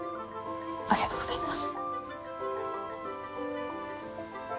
ありがとうございます。